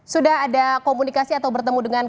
sudah ada komunikasi atau bertemu dengan